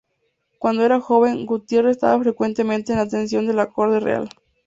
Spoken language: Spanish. Cuando era joven, Gutierre estaba frecuentemente en atención de la corte real.